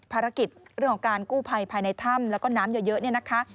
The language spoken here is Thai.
ภารกิจเรื่องของการกู้ภัยภายในถ้ำแล้วก็น้ำเยอะเนี่ยนะคะ